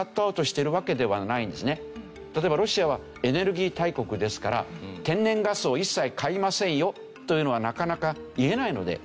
例えばロシアはエネルギー大国ですから天然ガスを一切買いませんよというのはなかなか言えないので。